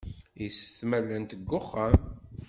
Yessetma llant deg wexxam.